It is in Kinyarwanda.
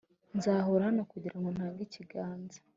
nzahora hano kugirango ntange ikiganza,